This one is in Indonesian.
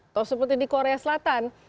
atau seperti di korea selatan